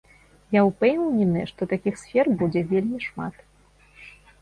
Я ўпэўнены, што такіх сфер будзе вельмі шмат.